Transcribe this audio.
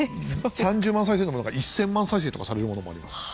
３０万再生とか１０００万再生とかされるものもあります。